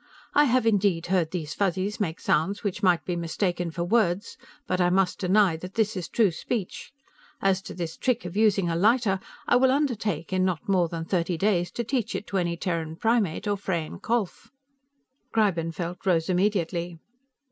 I have indeed heard these Fuzzies make sounds which might be mistaken for words, but I must deny that this is true speech. As to this trick of using a lighter, I will undertake, in not more than thirty days, to teach it to any Terran primate or Freyan kholph." Greibenfeld rose immediately.